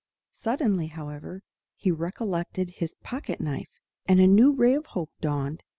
Suddenly, however, he recollected his pocket knife, and a new ray of hope dawned.